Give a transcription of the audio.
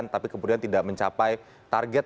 tapi kemudian tidak mencapai target